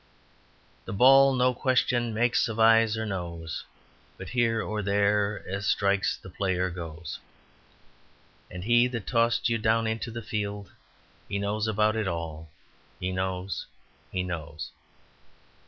"The ball no question makes of Ayes or Noes, But Here or There as strikes the Player goes; And He that tossed you down into the field, He knows about it all he knows he knows."